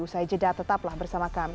usai jeda tetaplah bersama kami